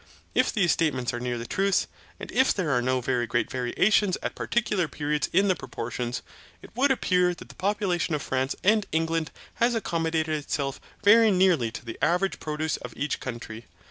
If these statements are near the truth; and if there are no very great variations at particular periods in the proportions, it would appear that the population of France and England has accommodated itself very nearly to the average produce of each country.